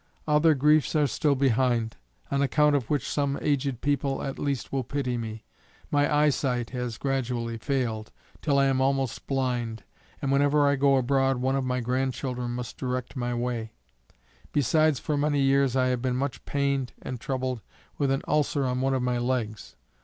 Other griefs are still behind; on account of which some aged people, at least, will pity me. My eye sight has gradually failed, till I am almost blind, and whenever I go abroad one of my grand children must direct my way; besides for many years I have been much pained and troubled with an ulcer on one of my legs.